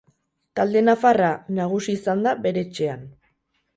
Talde nafarra, nagusi izan da bere etxean.